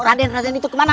raden raden itu kemana